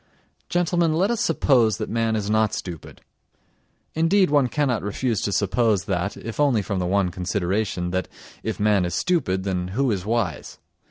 Gentlemen, let us suppose that man is not stupid. (Indeed one cannot refuse to suppose that, if only from the one consideration, that, if man is stupid, then who is wise?)